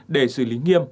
để xử lý nghiêm